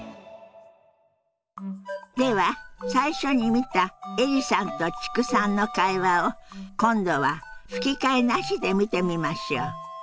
では最初に見たエリさんと知久さんの会話を今度は吹き替えなしで見てみましょう。